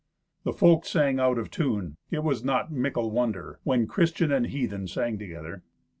The folk sang out of tune: it was not mickle wonder, when Christian and heathen sang together.